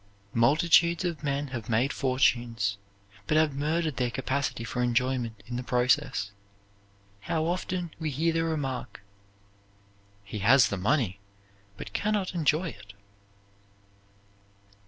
Multitudes of men have made fortunes, but have murdered their capacity for enjoyment in the process. How often we hear the remark, "He has the money, but can not enjoy it."